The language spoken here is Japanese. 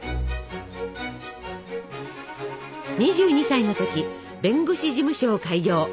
２２歳の時弁護士事務所を開業。